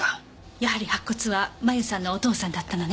やはり白骨は麻由さんのお父さんだったのね。